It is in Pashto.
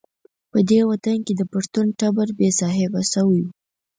په دې وطن کې د پښتون ټبر بې صاحبه شوی.